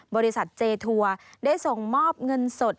บริษัทเจทัวร์ได้ส่งมอบเงินสด